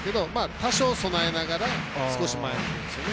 多少備えながら少し前に来るんですよね。